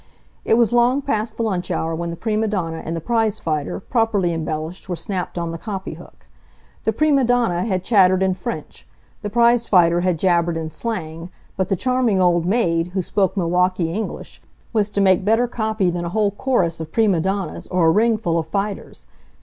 It was long past the lunch hour when the prima donna and the prize fighter, properly embellished, were snapped on the copy hook. The prima donna had chattered in French; the prize fighter had jabbered in slang; but the charming old maid, who spoke Milwaukee English, was to make better copy than a whole chorus of prima donnas, or a ring full of fighters.